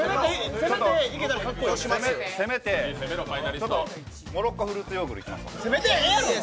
攻めて、モロッコフルーツヨーグルいこうと思います。